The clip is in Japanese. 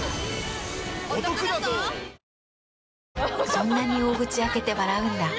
そんなに大口開けて笑うんだ。